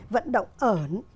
vận động ở